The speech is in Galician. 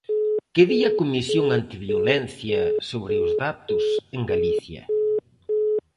¿Que di a Comisión Antiviolencia sobre os datos en Galicia?